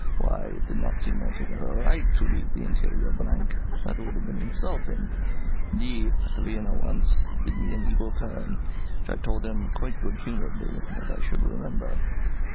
"Why, it did not seem altogether right to leave the interior blank; that would have been insulting. D , at Vienna once, did me an evil turn, which I told him, quite good humouredly, that I should remember.